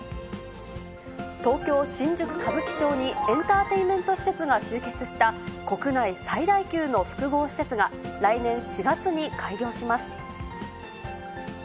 東京・新宿・歌舞伎町に、エンターテインメント施設が集結した、国内最大級の複合施設が来年４月に開業します。